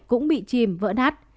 cũng bị chìm vỡ nát